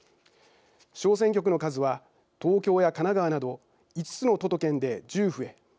小選挙区の数は東京や神奈川など５つの都と県で１０増え